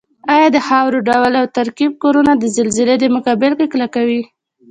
ایا د خاورې ډول او ترکیب کورنه د زلزلې په مقابل کې کلکوي؟